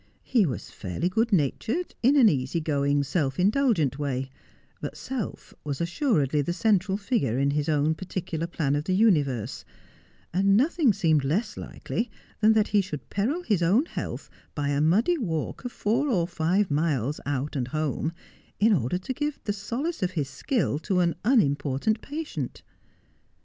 He was fairly good natured, in an easy going, self indulgent way, but self was assuredly the central figure in his own particular plan of the universe, and nothing less likely than that he should peril his own health by a muddy walk of four or five miles out and home, in order to give the solace of his skill to an unimportant patient.